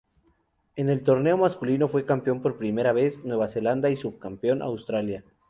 En el torneo masculino fue campeón por primera vez Nueva Zelanda y subcampeón Australia.